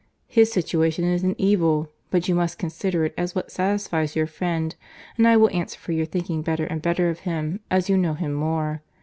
His situation is an evil—but you must consider it as what satisfies your friend; and I will answer for your thinking better and better of him as you know him more.